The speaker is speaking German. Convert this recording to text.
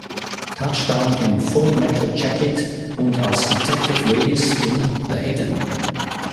Touchdown in "Full Metal Jacket" und als Detective Willis in "The Hidden".